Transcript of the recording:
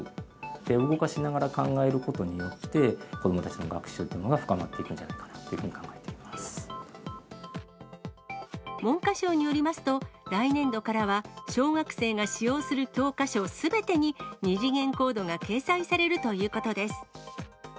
手を動かしながら考えることによって、子どもたちの学習っていうものが深まっていくんじゃないかなとい文科省によりますと、来年度からは、小学生が使用する教科書すべてに、二次元コードが掲載されるということです。